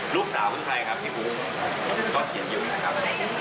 ลูกสาวคือใครครับพี่บุ๊คก็เขียนอยู่นะครับ